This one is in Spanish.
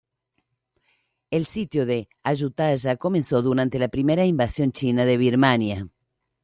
El sitio de Ayutthaya comenzó durante la primera invasión china de Birmania.